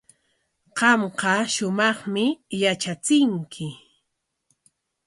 Qamqa shumaqmi yatrachinki.